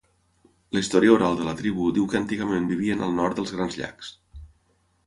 La història oral de la tribu diu que antigament vivien al nord dels Grans Llacs.